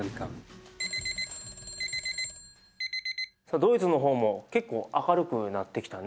ドイツの方も結構明るくなってきたね。